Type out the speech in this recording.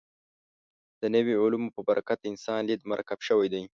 د نویو علومو په برکت د انسان لید مرکب شوی دی.